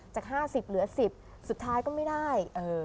จากห้าสิบเหลือสิบสุดท้ายก็ไม่ได้